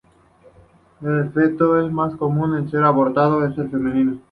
El feto más común en ser abortado es el femenino.